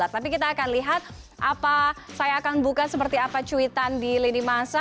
tapi kita akan lihat apa saya akan buka seperti apa cuitan di lini masa